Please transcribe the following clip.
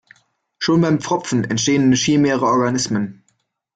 Schon beim Pfropfen entstehen chimäre Organismen.